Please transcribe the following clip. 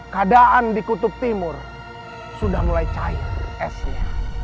keadaan di kutub timur sudah mulai cair esnya